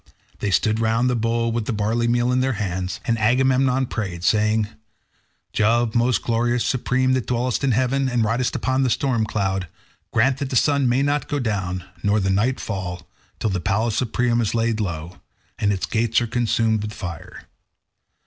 They stood round the bull with the barley meal in their hands, and Agamemnon prayed, saying, "Jove, most glorious, supreme, that dwellest in heaven, and ridest upon the storm cloud, grant that the sun may not go down, nor the night fall, till the palace of Priam is laid low, and its gates are consumed with fire.